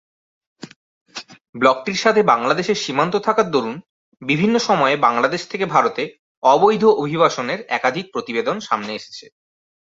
ব্লকটির সাথে বাংলাদেশের সীমান্ত থাকার দরুন বিভিন্ন সময়ে বাংলাদেশ থেকে ভারতে অবৈধ অভিবাসনের একাধিক প্রতিবেদন সামনে এসেছে।